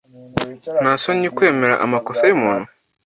Nta soni kwemera amakosa yumuntu.